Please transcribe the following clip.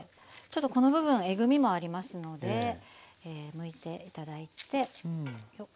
ちょっとこの部分えぐみもありますのでむいて頂いて。